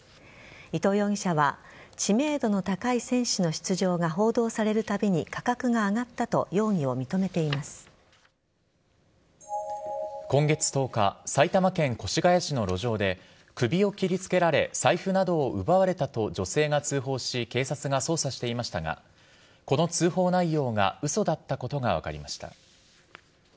伊藤容疑者は知名度の高い選手の出場が報道されるたびに価格が上がったと今月１０日埼玉県越谷市の路上で首を切りつけられ財布などを奪われたと女性が通報し警察が捜査していましたがこの通報内容が嘘だったことが分かりました。